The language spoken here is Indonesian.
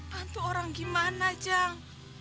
bantu orang gimana jang